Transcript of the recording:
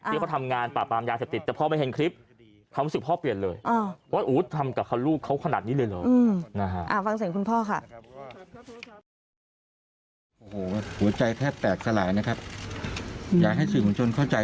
ที่เขาทำงานปราบปรามยาเสพติดแต่พ่อไม่เห็นคลิปเขารู้สึกว่าพ่อเปลี่ยนเลย